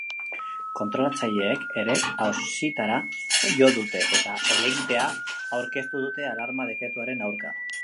Kontrolatzaileek ere auzitara jo dute, eta helegitea aurkeztu dute alarma dekretuaren aurka.